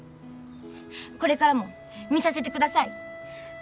これからも見させてください。